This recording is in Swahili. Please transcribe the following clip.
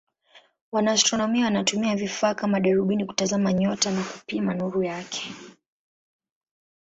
Wanaastronomia wanatumia vifaa kama darubini kutazama nyota na kupima nuru yake.